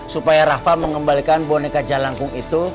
supaya rafa mengembalikan boneka jalangkung itu